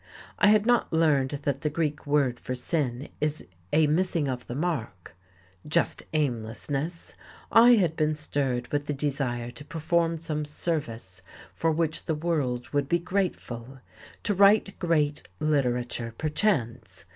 I had not learned that the Greek word for sin is "a missing of the mark." Just aimlessness! I had been stirred with the desire to perform some service for which the world would be grateful: to write great literature, perchance.